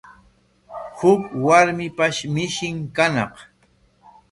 Huk warmipash mishin kañaq.